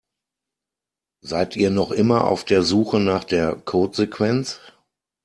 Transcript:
Seid ihr noch immer auf der Suche nach der Codesequenz?